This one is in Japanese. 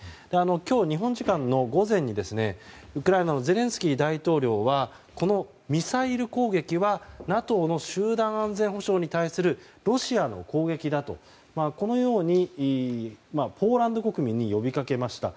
今日、日本時間の午前にウクライナのゼレンスキー大統領はこのミサイル攻撃はＮＡＴＯの集団安全保障に対するロシアの攻撃だとこのようにポーランド国民に呼びかけました。